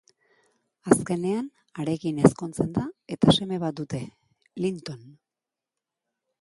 Azkenean, harekin ezkontzen da eta seme bat dute: Linton.